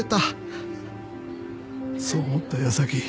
そう思った矢先。